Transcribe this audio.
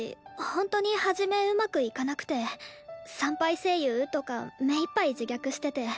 ほんとに初めうまくいかなくて産廃声優とか目いっぱい自虐してて。